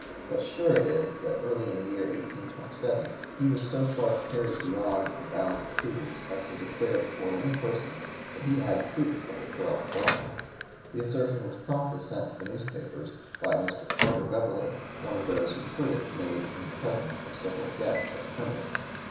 But sure it is that early in the year 1827 he was so far carried beyond the bounds of prudence as to declare before many persons that he had proof of the corrupt bargain. The assertion was promptly sent to the newspapers by a Mr. Carter Beverly, one of those who heard it made in the presence of several guests at the Hermitage.